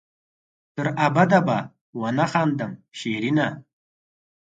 تر ابده به ونه خاندم شېرينه